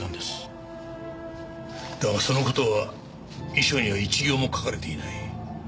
だがその事は遺書には一行も書かれていない。